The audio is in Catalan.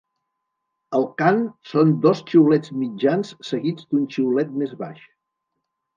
El cant són dos xiulets mitjans seguits d'un xiulet més baix.